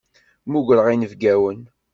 Mmugreɣ inebgawen.